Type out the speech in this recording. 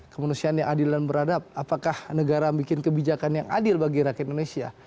kehendak keadilan beradab apakah negara bikin kebijakan yang adil bagi rakyat indonesia